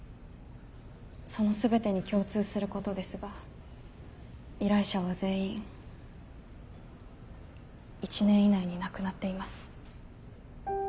その全てに共通することですが依頼者は全員１年以内に亡くなっています。